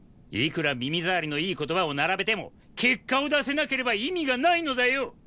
いくら耳ざわりのいい言葉を並べても結果を出せなければ意味がないのだよ！